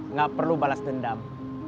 nggak perlu balas dendam